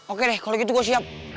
oke deh kalau gitu gue siap